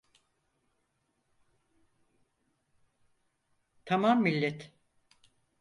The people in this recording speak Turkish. Tamam millet!